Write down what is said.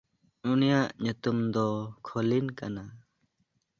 ᱩᱱᱤᱭᱟᱜ ᱧᱩᱛᱩᱢ ᱫᱚ ᱠᱷᱚᱞᱤᱱ ᱠᱟᱱᱟ᱾